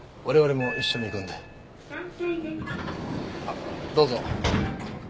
あっどうぞ。